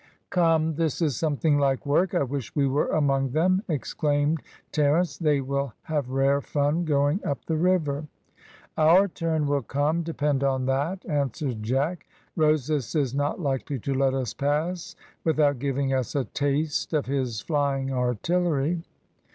"Come, this is something like work; I wish we were among them," exclaimed Terence; "they will have rare fun going up the river." "Our turn will come, depend on that," answered Jack; "Rosas is not likely to let us pass without giving us a taste of his flying artillery."